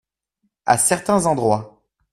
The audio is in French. À certains endroits.